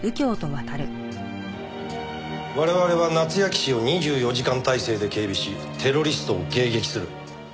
我々は夏焼氏を２４時間態勢で警備しテロリストを迎撃する。